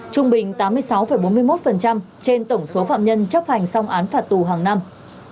trung bình tám mươi sáu bốn mươi một trên tổng số phạm nhân chấp hành xong án phạt tù hàng năm